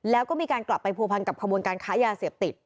แล้วก็มีการกลับไปผัวพันกับขบวนการค้ายาเสพติด